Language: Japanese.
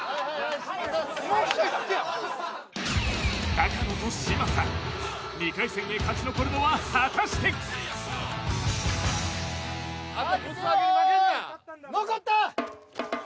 高野と嶋佐２回戦へ勝ち残るのは果たしてはっけよーいのこった！